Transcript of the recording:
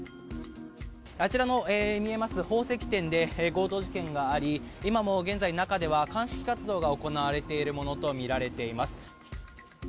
あちらの見えます宝石店で強盗事件があり、今も現在、中では鑑識活動が行われているものと見られます。